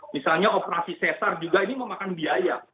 misalnya operasi sesar juga ini memakan biaya